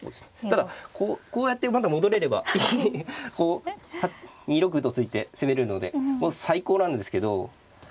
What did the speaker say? ただこうやってまた戻れればこう２六歩と突いて攻めるのでもう最高なんですけど。